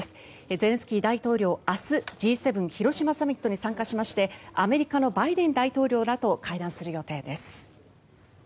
ゼレンスキー大統領明日、Ｇ７広島サミットに参加しましてアメリカのバイデン大統領らと会談する予定です。